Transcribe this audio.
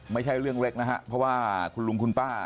ไม่ใช่เรื่องเล็กนะฮะเพราะว่าคุณลุงคุณป้า